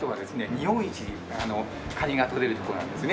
日本一カニがとれる所なんですね。